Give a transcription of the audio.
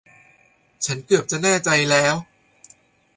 ฉันเกือบจะแน่ใจแล้ว